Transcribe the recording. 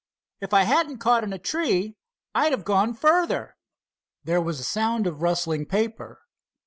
If I hadn't caught in a tree I'd have gone further." There was a sound of rustling paper.